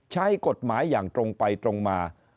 ใช้กฎหมายอย่างตรงไปตรงมา